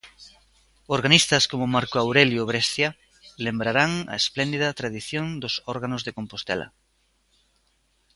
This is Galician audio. Organistas como Marco Aurelio Brescia lembrarán a espléndida tradición dos órganos de Compostela.